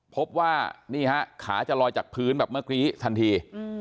พบว่านี่ฮะขาจะลอยจากพื้นแบบเมื่อกี้ทันที